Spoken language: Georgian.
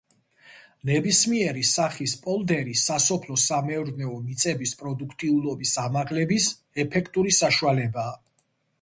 ნებისმიერი სახის პოლდერი სასოფლო-სამეურნეო მიწების პროდუქტიულობის ამაღლების ეფექტური საშუალებაა.